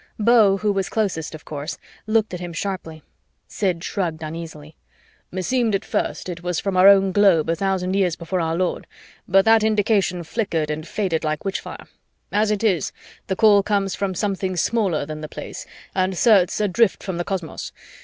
Beau, who was closest of course, looked at him sharply. Sid shrugged uneasily. "Meseemed at first it was from our own globe a thousand years before our Lord, but that indication flickered and faded like witchfire. As it is, the call comes from something smaller than the Place and certes adrift from the cosmos.